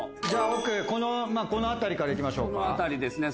じゃあ奥この辺りから行きましょうか。